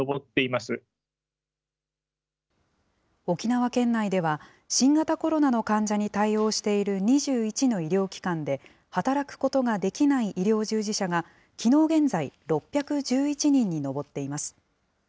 沖縄県内では、新型コロナの患者に対応している２１の医療機関で、働くことができない医療従事者がきのう現在、６１１人に上っています。